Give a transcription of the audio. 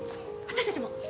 私たちも！